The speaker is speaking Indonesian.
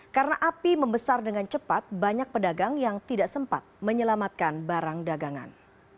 karena api membesar dengan cepat banyak pedagang yang tidak sempat menyelamatkan barang dagangan